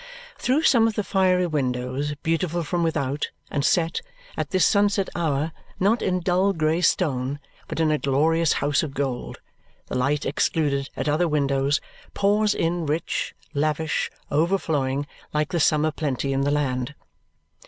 Through some of the fiery windows beautiful from without, and set, at this sunset hour, not in dull grey stone but in a glorious house of gold, the light excluded at other windows pours in rich, lavish, overflowing like the summer plenty in the land.